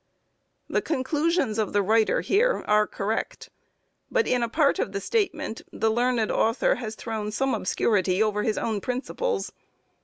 The conclusions of the writer here, are correct, but in a part of the statement the learned author has thrown some obscurity over his own principles.